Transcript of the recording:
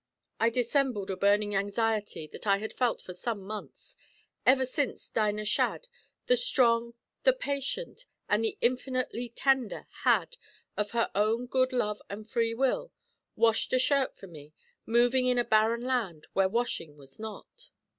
I dissembled a burning anxiety that I had felt for some months ever since Dinah Shadd, the strong, the patient, and the infinitely tender, had, of her own good love and free will, washed a shirt for me, moving in a barren land where washing was not.